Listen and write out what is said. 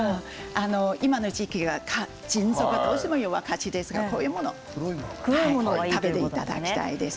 今の時期、腎臓がどうしても弱い感じですからこういう黒いものを食べていただきたいです。